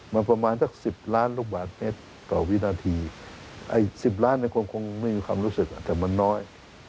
มันประมาณสัก๑๐ล้านลูกบาทเมตรต่อวินาทีไอ้๑๐ล้านเนี่ยคงไม่มีความรู้สึกแต่มันน้อย